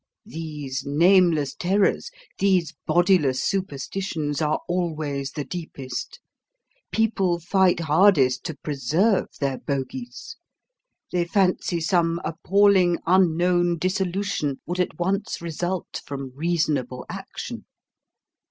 These nameless terrors, these bodiless superstitions, are always the deepest. People fight hardest to preserve their bogeys. They fancy some appalling unknown dissolution would at once result from reasonable action.